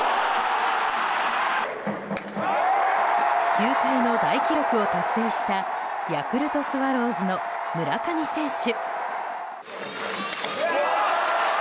球界の大記録を達成したヤクルトスワローズの村上選手。